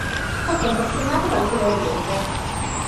È contrassegnata dal colore verde.